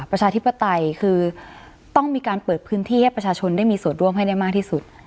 ประชาธิปไตยคือต้องมีการเปิดพื้นที่ให้ประชาชนได้มีส่วนร่วมให้ได้มากที่สุด